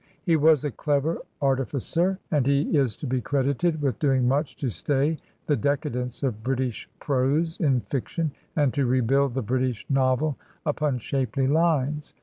He was a clever artificer, and he is to be credited with doing much to stay the decadence of British prose in fiction, and to rebuild the British novel upon shapely lines.